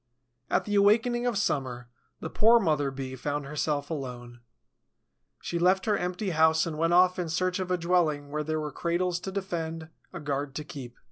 At the awakening of summer, the poor mother Bee found herself alone. She left her empty house and went off in search of a dwelling where there were cradles to defend, a guard to keep.